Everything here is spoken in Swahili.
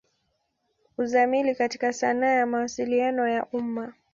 Uzamili katika sanaa ya Mawasiliano ya umma.